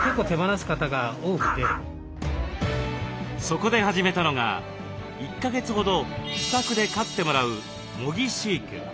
そこで始めたのが１か月ほど自宅で飼ってもらう模擬飼育。